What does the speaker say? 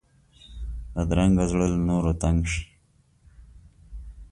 بدرنګه زړه له نورو تنګ شي